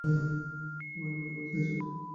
তুমি আমার জীবন বাঁচিয়েছ, ভায়া।